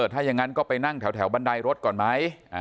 ถ้าอย่างนั้นก็ไปนั่งแถวบันไดรถก่อนไหม